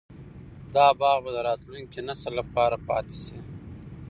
دا باغ به د راتلونکي نسل لپاره پاتې شي.